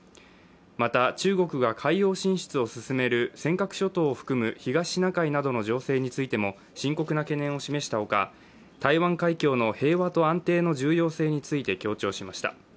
また中国が海洋進出を進める尖閣諸島を含む東シナ海などの情勢についても深刻な懸念を示したほか、台湾海峡の平和と安定の重要性について強調しました。